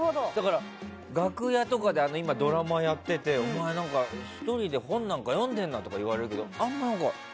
楽屋とかで今、ドラマやっててお前、何か１人で本なんか読んでんな！とか言われるけどあんまりね。